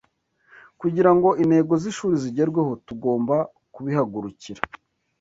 kugirango intego zishuri zigerweho tugombakubihagurukira